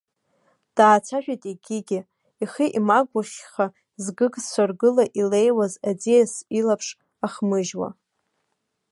Даацәажәеит егьигьы, ихы имагәыхьха, згыгцәа ргыла илеиуаз аӡиас илаԥш ахмыжьуа.